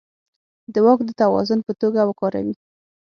د واک د توازن په توګه وکاروي.